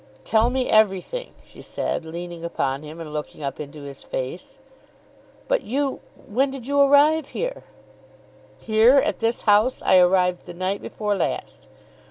"Tell me everything," she said, leaning upon him and looking up into his face. "But you, when did you arrive here?" "Here, at this house, I arrived the night before last.